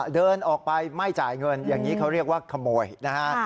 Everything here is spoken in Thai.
เดินออกไปไม่จ่ายเงินอย่างนี้เขาเรียกว่าขโมยนะฮะ